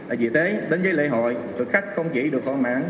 ở dịp tế đến với lễ hội du khách không chỉ được họ mạng